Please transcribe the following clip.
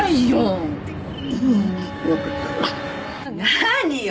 何よ！